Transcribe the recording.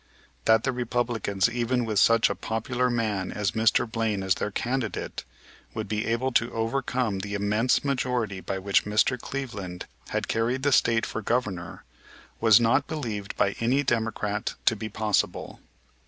That the Republicans, even with such a popular man as Mr. Blaine as their candidate, would be able to overcome the immense majority by which Mr. Cleveland had carried the State for Governor was not believed by any Democrat to be possible.